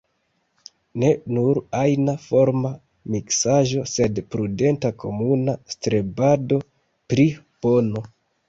Ne nur ajna-forma miksaĵo, sed prudenta komuna strebado pri bono.